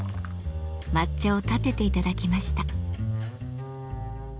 抹茶をたてていただきました。